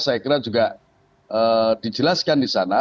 saya kira juga dijelaskan di sana